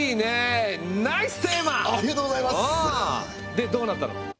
でどうなったの？